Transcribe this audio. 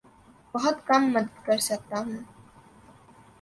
بہت کم مدد کر سکتا ہوں